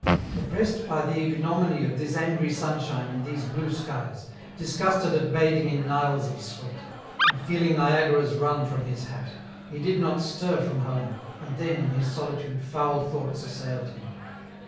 Oppressed by the ignominy of this angry sunshine and these blue skies, disgusted at bathing in Niles of sweat, and feeling Niagaras run from his hat, he did not stir EN ROUTE. 8l from home, and then, in his solitude, foul thoughts assailed him.